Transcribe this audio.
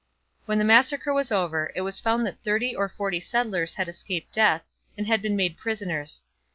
When the massacre was over, it was found that thirty or forty settlers had escaped death and had been made prisoners.